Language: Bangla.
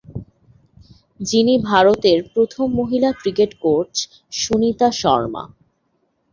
যিনি ভারতের প্রথম মহিলা ক্রিকেট কোচ সুনিতা শর্মা।